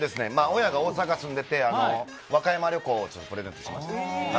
親が大阪に住んでいて、和歌山旅行をプレゼントしました。